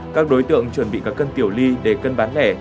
các đối tượng chuẩn bị các cân tiểu ly để cân bán lẻ